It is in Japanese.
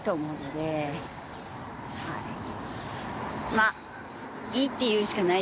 まあ。